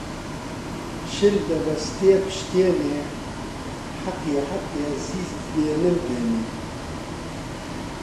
شل دەبەستێ پشتێنێ حەقیە حەقیە زیز بێ نەمدوێنێ